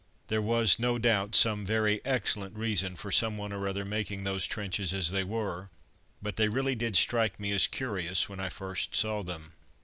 There was, no doubt, some very excellent reason for someone or other making those trenches as they were; but they really did strike me as curious when I first saw them.